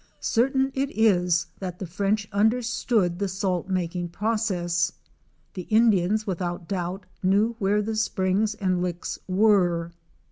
Certain it is that the French understood the salt making pro cess; the Indians without doubt knew where the springs and licks were.